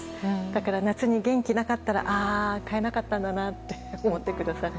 だから、夏に元気がなかったら買えなかったんだなって思ってください。